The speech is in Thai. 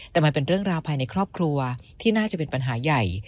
แต่มันเป็นเรื่องราวภายในครอบครัวที่น่าจะเป็นปัญหาใหญ่